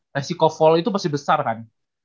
risiko fall itu pasti besar kan